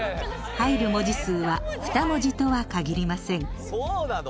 入る文字数は２文字とは限りません。